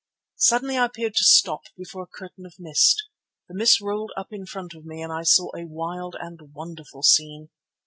Suddenly I appeared to stop before a curtain of mist. The mist rolled up in front of me and I saw a wild and wonderful scene.